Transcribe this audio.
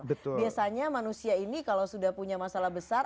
biasanya manusia ini kalau sudah punya masalah besar